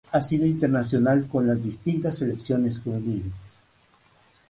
Ha sido internacional con las distintas Selecciones juveniles.